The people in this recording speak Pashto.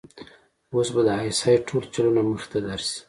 اوس به د آى اس آى ټول چلونه مخې ته درشي.